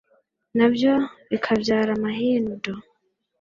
na byo bikabyara amahindu